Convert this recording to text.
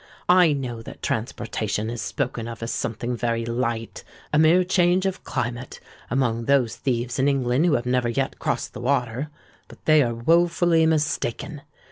I know that transportation is spoken of as something very light—a mere change of climate—amongst those thieves in England who have never yet crossed the water; but they are woefully mistaken!